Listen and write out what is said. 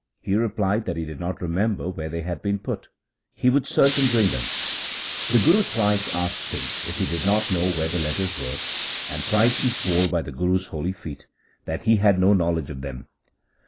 He replied that he did not remember where they had been put. He would search and bring them. The Guru thrice asked him if he did not know where the letters were, and thrice he swore by the Guru's holy feet that he had no knowledge of them.